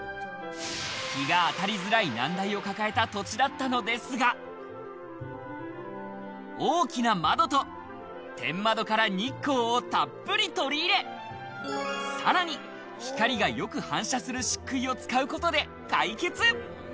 日が当たりづらい難題を抱えた土だったのですが大きな窓と天窓から日光をたっぷり取り入れ、さらに光がよく反射する漆喰を使うことで解決。